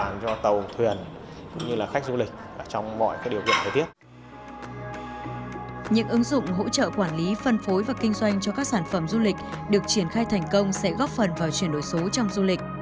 những ứng dụng hỗ trợ quản lý phân phối và kinh doanh cho các sản phẩm du lịch được triển khai thành công sẽ góp phần vào chuyển đổi số trong du lịch